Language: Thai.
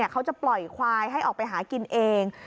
เขาจะปล่อยควายให้ออกไปหากินเอง